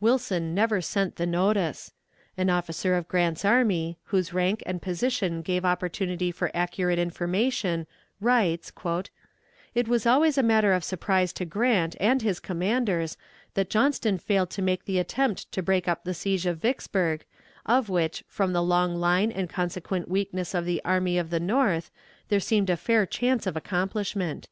Wilson never sent the notice. An officer of Grant's army, whose rank and position gave opportunity for accurate information, writes: "It was always a matter of surprise to Grant and his commanders that Johnston failed to make the attempt to break up the siege of Vicksburg, of which from the long line and consequent weakness of the army of the North there seemed a fair chance of accomplishment."